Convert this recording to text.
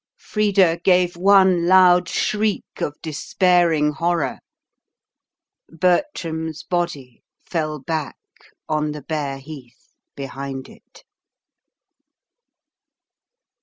Frida gave one loud shriek of despairing horror. Bertram's body fell back on the bare heath behind it.